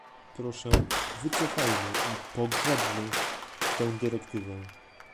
Proszę, wycofajmy i "pogrzebmy" tę dyrektywę